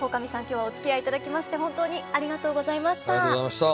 今日はおつきあいいただきまして本当にありがとうございました。